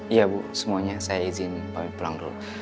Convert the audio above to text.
iya bu semuanya saya izin pamit pulang dulu